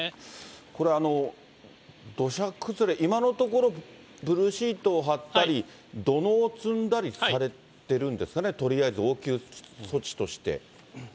これ、土砂崩れ、今のところ、ブルーシートを張ったり、土のうを積んだりされてるんですかね、とりあえず応急措置として。